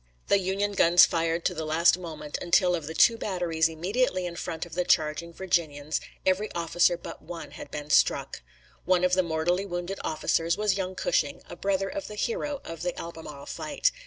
The Union guns fired to the last moment, until of the two batteries immediately in front of the charging Virginians every officer but one had been struck. One of the mortally wounded officers was young Cushing, a brother of the hero of the Albemarle fight.